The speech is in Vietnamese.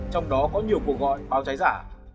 trong đó có nhiều cuộc gọi báo cháy giả